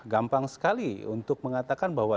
gampang sekali untuk mengatakan bahwa